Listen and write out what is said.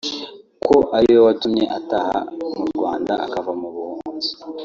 ko ari we watumye ataha mu Rwanda akava mu buhunzi